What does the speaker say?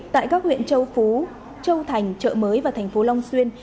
tại các huyện châu phú châu thành chợ mới và thành phố long xuyên